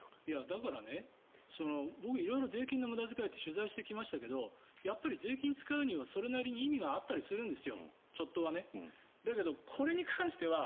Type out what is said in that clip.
だから僕、色々税金の無駄遣いって取材してきましたけどやっぱり税金を使うにはそれなりに意味があったりするんです。